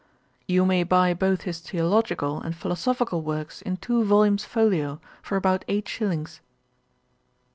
You may buy both his theological and philosophical works in two volumes folio, for about eight shillings.'